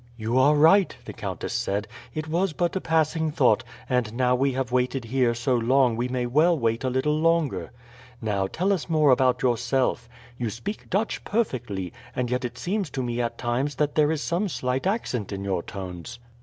"You are right," the countess said. "It was but a passing thought, and now we have waited here so long we may well wait a little longer. Now, tell us more about yourself. You speak Dutch perfectly, and yet it seems to me at times that there is some slight accent in your tones."